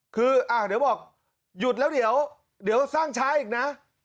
คือเดี๋ยวบอกหยุดแล้วเดี๋ยวสร้างช้าอีกนะ